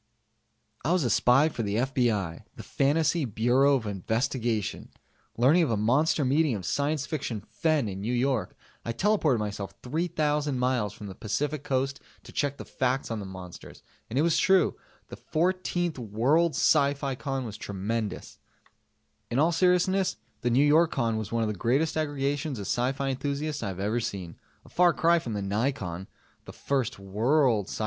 I was a spy for the FBI the Fantasy Bureau of Investigation! Learning of a monster meeting of science fiction "fen" in New York, I teleported myself 3,000 miles from the Pacificoast to check the facts on the monsters. And it was true the 14th World SciFi Con was tremonstrous. In all seriousness, the Newyorcon was one of the greatest aggregations of s.f. enthusiasts I have ever seen. A far cry from the Nycon, the first "world" s.f.